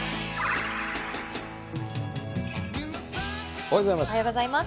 おはようございます。